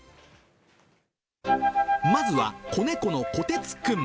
まずは、子猫のこてつくん。